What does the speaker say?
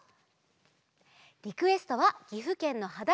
リクエストはぎふけんのはだ